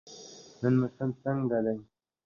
نن موسم څنګه دی؟